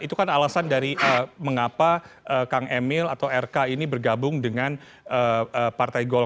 itu kan alasan dari mengapa kang emil atau rk ini bergabung dengan partai golkar